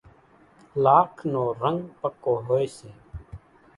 لاک نو رنڳ پڪو هوئيَ سي۔